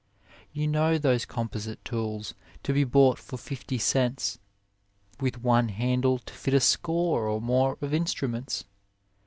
You know those composite tools, to be bought for 50 cents, with one handle to fit a score or more of instruments.